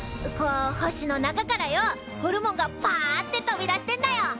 こう星の中からよおホルモンがパァッて飛び出してんだよ。